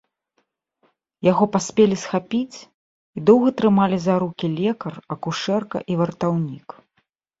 Яго паспелі схапіць і доўга трымалі за рукі лекар, акушэрка і вартаўнік.